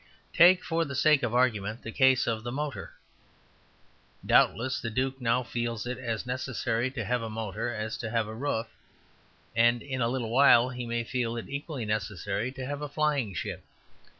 Take, for the sake of argument, the case of the motor. Doubtless the duke now feels it as necessary to have a motor as to have a roof, and in a little while he may feel it equally necessary to have a flying ship.